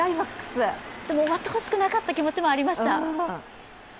でも終わってほしくない気持ちもありました。